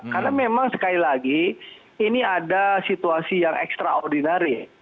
karena memang sekali lagi ini ada situasi yang ekstraordinari